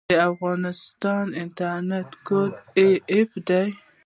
د افغانستان انټرنیټ کوډ af دی